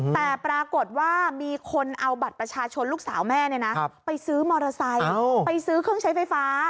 แต่ปรากฏว่ามีคนเอาบัตรประชาชนลูกสาวแม่ไปซื้อมอเตอร์ไซค์ไปซื้อเครื่องใช้ไฟฟ้า